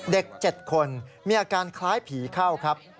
๗คนมีอาการคล้ายผีเข้าครับ